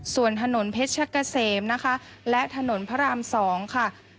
ส่วนถนนเพชรกะเสมนะคะและถนนพระราม๒ค่ะ